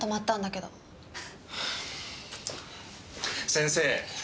先生